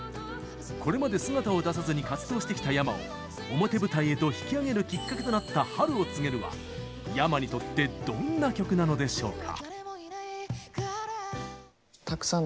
これまで姿を出さずに活動してきたｙａｍａを表舞台へと引き上げるきっかけとなった「春を告げる」はｙａｍａにとってどんな曲なのでしょうか。